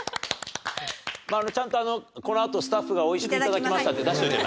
ちゃんと「このあとスタッフが美味しく頂きました」って出しといてな。